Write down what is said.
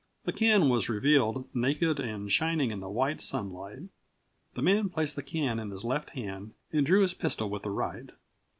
The can was revealed, naked and shining in the white sunlight. The man placed the can in his left hand and drew his pistol with the right.